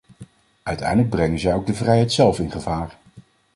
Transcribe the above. Uiteindelijk brengen zij ook de vrijheid zelf in gevaar.